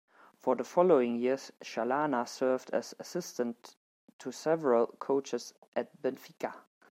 For the following years, Chalana served as assistant to several coaches at Benfica.